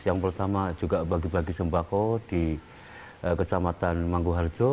yang pertama juga bagi bagi sembako di kecamatan mangkuharjo